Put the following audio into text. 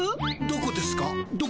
どこですか？